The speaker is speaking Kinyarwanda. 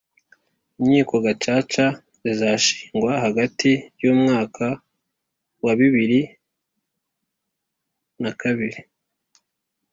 inkiko gacaca zizashingwa hagati w'umwaka wabibiri na kabiri